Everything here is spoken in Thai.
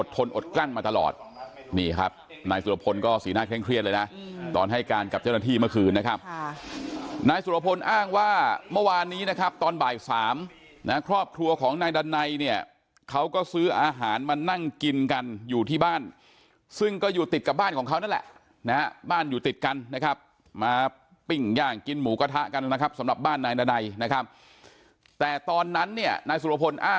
อดกลั้นมาตลอดนี่ครับนายสุรพลก็สีหน้าเคร่งเครียดเลยนะตอนให้การกับเจ้าหน้าที่เมื่อคืนนะครับนายสุรพลอ้างว่าเมื่อวานนี้นะครับตอนบ่ายสามนะครอบครัวของนายดันไนเนี่ยเขาก็ซื้ออาหารมานั่งกินกันอยู่ที่บ้านซึ่งก็อยู่ติดกับบ้านของเขานั่นแหละนะฮะบ้านอยู่ติดกันนะครับมาปิ้งย่างกินหมูกระทะกันนะครับสำหรับบ้านนายดันัยนะครับแต่ตอนนั้นเนี่ยนายสุรพลอ